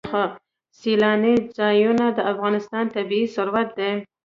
سیلانی ځایونه د افغانستان طبعي ثروت دی.